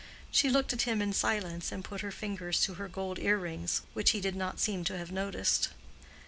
She looked at him in silence, and put her fingers to her gold earrings, which he did not seem to have noticed.